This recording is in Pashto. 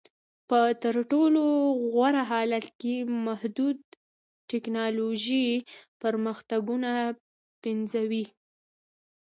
په تر ټولو غوره حالت کې محدود ټکنالوژیکي پرمختګونه پنځوي